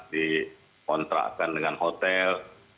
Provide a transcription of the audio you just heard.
dikontrakkan dengan hotel